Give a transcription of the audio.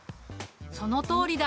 そのとおりだ！